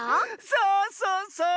そうそうそう。